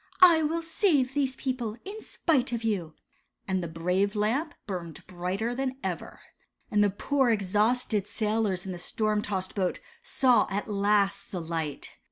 I will save these people, in spite of you," and the brave Lamp burned brighter than ever. And the poor, exhausted sailors in the storm tossed boat saw at last the light.